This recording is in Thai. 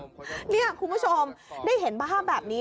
เออเออนี่คุณผู้ชมได้เห็นภาพแบบนี้